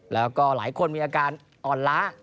ต่อหลายคนมีอาการอ่อนล้า